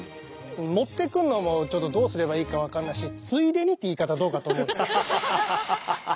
持っていくのもちょっとどうすればいいか分かんないし「ついでに」って言い方どうかと思う。